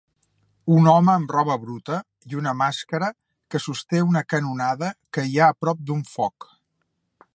Un home amb roba bruta i una màscara que sosté una canonada que hi ha a prop d'un foc.